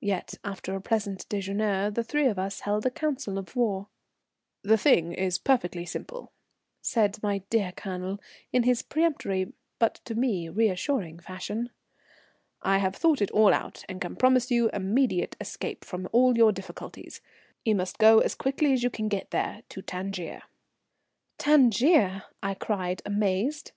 Yet, after a pleasant déjeuner, the three of us held a council of war. "The thing is perfectly simple," said my dear Colonel, in his peremptory, but to me reassuring fashion. "I have thought it all out and can promise you immediate escape from all your difficulties. You must go as quickly as you can get there, to Tangier." "Tangier!" I cried, amazed.